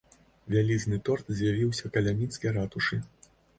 Вялізны торт з'явіўся каля мінскай ратушы.